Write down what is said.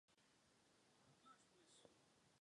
Tato zpráva je politováníhodnou výjimkou z tohoto pravidla.